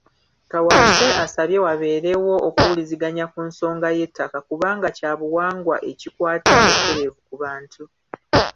Kawaase asabye wabeerewo okuwuliziganya ku nsonga y'ettaka kubanga kya buwangwa ekikwata obutereevu ku bantu.